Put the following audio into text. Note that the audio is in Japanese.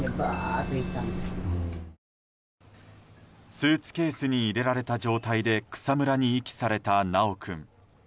スーツケースに入れられた状態で草むらに遺棄された修君。